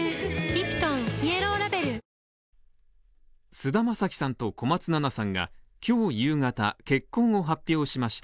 菅田将暉さんと小松菜奈さんが今日夕方、結婚を発表しました。